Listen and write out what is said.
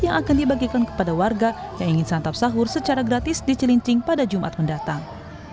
yang akan dibagikan kepada warga yang ingin santap sahur secara gratis di cilincing pada jumat mendatang